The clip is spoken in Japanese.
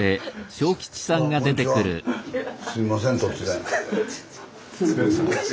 すいません突然。